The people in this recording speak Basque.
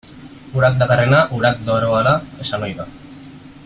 Urak dakarrena urak daroala esan ohi da.